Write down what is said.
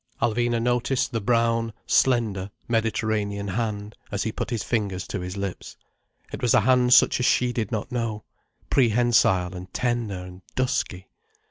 Alvina noticed the brown, slender Mediterranean hand, as he put his fingers to his lips. It was a hand such as she did not know, prehensile and tender and dusky.